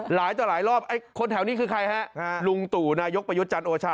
หลายต่อหลายรอบไอ้คนแถวนี้คือใครฮะลุงตู่นายกประยุทธ์จันทร์โอชา